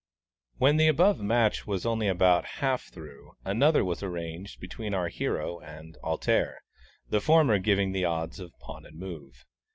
When the above match was only about half through, another was arranged between our hero and "Alter," the former giving the odds of Pawn and Move.